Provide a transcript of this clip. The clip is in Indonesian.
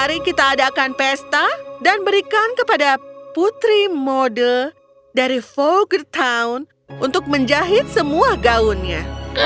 mari kita adakan pesta dan berikan kepada putri mode dari vogertown untuk menjahit semua gaunnya